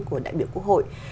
của đại biểu quốc hội